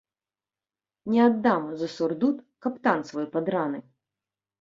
Не аддам за сурдут каптан свой падраны.